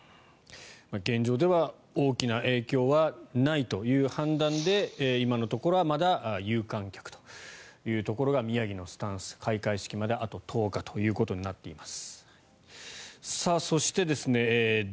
現状では大きな影響はないという判断で今のところはまだ有観客というところが宮城のスタンス開会式まであと１０日ということになっています。